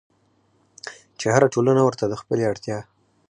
چې هره ټولنه ورته د خپلې اړتيا